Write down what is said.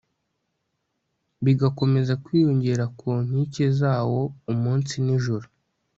bigakomeza kwiyongera ku nkike zawo umunsi n'ijoro